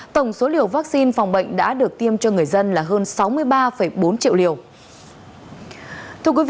tổng số liều vaccine phòng bệnh đã được tiêm cho người dân là hơn sáu mươi ba bốn triệu liều